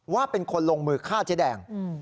ว่าเป็นคนลงมือฆ่าเจ๊แดง